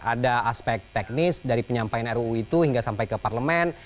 ada aspek teknis dari penyampaian ruu itu hingga sampai ke parlemen